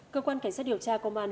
cơ quan cảnh sát điều tra công an